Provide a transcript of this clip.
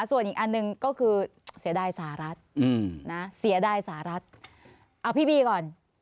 ส่วนอีกอันหนึ่งก็คือเสียดายสหรัฐเอ้าพี่บีก่อน